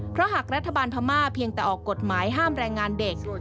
เพราะหากรัฐบาลพม่าเพียงแต่ออกกฎหมายห้ามแรงงานเด็ก